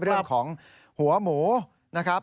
เรื่องของหัวหมูนะครับ